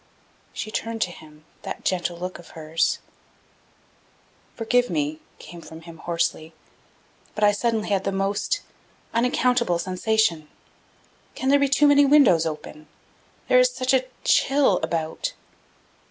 She turned to him that gentle look of hers. "Forgive me," came from him hoarsely. "But I had suddenly the most unaccountable sensation. Can there be too many windows open? There is such a chill about."